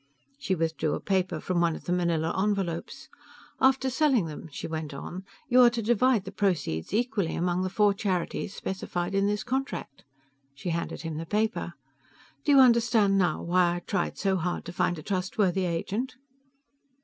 She withdrew a paper from one of the manila envelopes. "After selling them," she went on, "you are to divide the proceeds equally among the four charities specified in this contract." She handed him the paper. "Do you understand now why I tried so hard to find a trustworthy agent?"